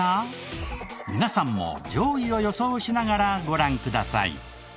皆さんも上位を予想しながらご覧ください。